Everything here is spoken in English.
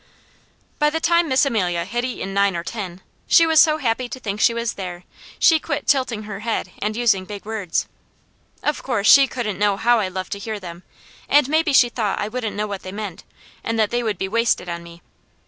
By the time Miss Amelia had eaten nine or ten, she was so happy to think she was there, she quit tilting her head and using big words. Of course she couldn't know how I loved to hear them, and maybe she thought I wouldn't know what they meant, and that they would be wasted on me.